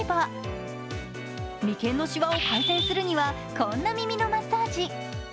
眉間のしわを解消するにはこんなマッサージ。